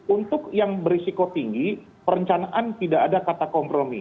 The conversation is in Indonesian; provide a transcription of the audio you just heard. untuk yang berisiko tinggi perencanaan tidak ada kata kompromi